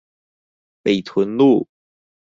北屯路